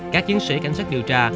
các chiến sĩ cảnh sát điều tra